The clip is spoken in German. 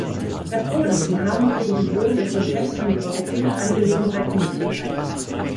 Herr Prodi, Sie haben uns Ihre Vision, Ihr Konzept von den europäischen Angelegenheiten mitgeteilt.